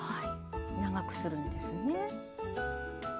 長くするんですね。